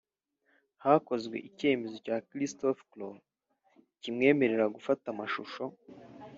Hakozwe icyemezo cya Christopher Klotz kimwemerera gufata amashusho